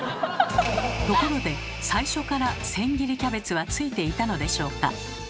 ところで最初から千切りキャベツはついていたのでしょうか？